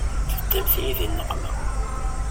Teddamt-iyi di nneqma.